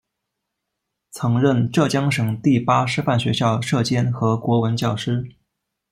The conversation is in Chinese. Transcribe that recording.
曾任浙江省第八师范学校舍监和国文教师。